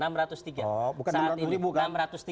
bukan enam ratus ribu